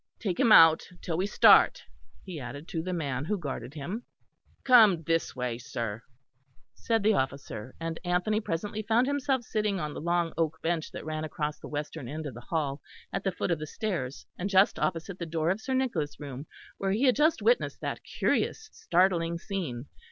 Take him out till we start," he added to the man who guarded him. "Come this way, sir," said the officer; and Anthony presently found himself sitting on the long oak bench that ran across the western end of the hall, at the foot of the stairs, and just opposite the door of Sir Nicholas' room where he had just witnessed that curious startling scene.